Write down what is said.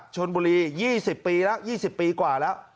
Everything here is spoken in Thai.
ชนบุรี๒๐ปีกว่าแล้ว